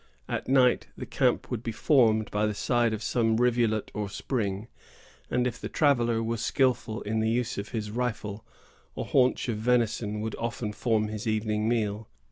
At night, the camp would be formed by the side of some rivulet or spring; and, if the traveller was skilful in the use of his rifle, a haunch of venison would often form his evening meal.